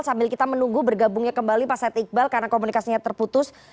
sambil kita menunggu bergabungnya kembali pak said iqbal karena komunikasinya terputus